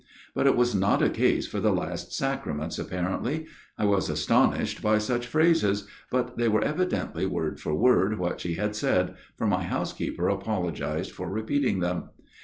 But it was not a case for the Last Sacraments, apparently. I was astonished by such phrases, but they were evidently word for word what she had said, for my housekeeper apologized for repeating them.